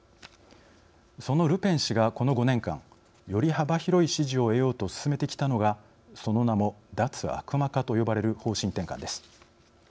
そのルペン氏がこの５年間より幅広い支持を得ようと進めてきたのがその名も「脱悪魔化」と呼ばれる方針転換です。